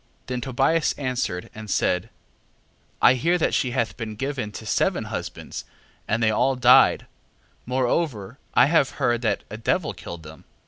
6:14. Then Tobias answered, and said: I hear that she hath been given to seven husbands, and they all died: moreover I have heard, that a devil killed them.